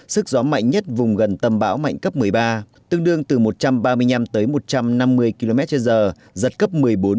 sức gió mạnh nhất ở vùng gần tâm bão mạnh cấp một mươi ba tức là vào khoảng một trăm ba mươi năm một trăm năm mươi km trên một giờ giật cấp một mươi bốn một mươi năm